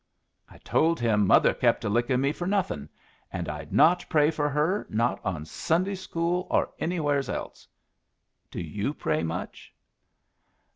I told him mother kep' a licking me for nothing, an' I'd not pray for her, not in Sunday school or anywheres else. Do you pray much?"